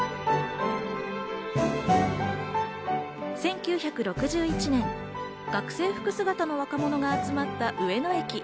１９６１年、学生服姿の若者が集まった上野駅。